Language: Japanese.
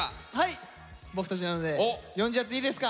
僕たちなので呼んじゃっていいですか？